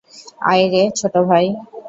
আয় রে, ছোট ভাই।